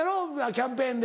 キャンペーンで。